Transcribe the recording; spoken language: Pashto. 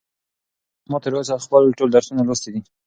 ما تر اوسه خپل ټول درسونه لوستي دي.